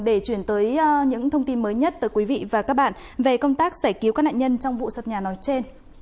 để chuyển tới những thông tin mới nhất tới quý vị và các bạn về công tác giải cứu các nạn nhân trong vụ sập nhà nói trên